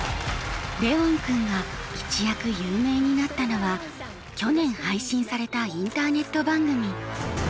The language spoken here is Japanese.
レウォン君が一躍有名になったのは去年配信されたインターネット番組。